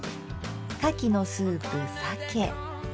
「かきのスープ鮭」。